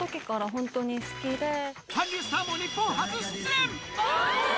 韓流スターも日本初出演！